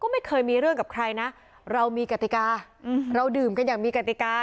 ไม่เคยมีเรื่องกับใครนะเรามีกติกาเราดื่มกันอย่างมีกติกา